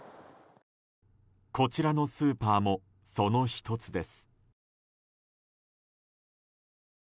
こちらのスーパーもその１つです。